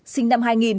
sinh năm hai nghìn